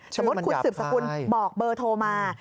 สมมุติคุณสืบสกุลบอกเบอร์โทรมา